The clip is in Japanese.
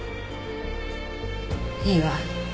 いいわ。